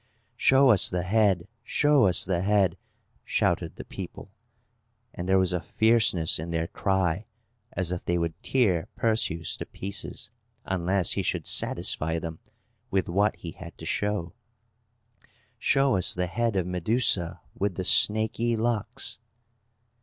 "Show us the head! Show us the head!" shouted the people; and there was a fierceness in their cry as if they would tear Perseus to pieces, unless he should satisfy them with what he had to show. "Show us the head of Medusa with the snaky locks!"